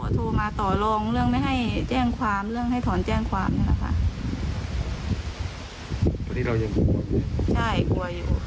ถ้าให้กลัวอยู่